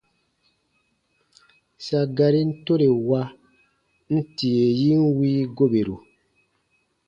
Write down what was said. Sa garin tore wa, n tie yin wii goberu.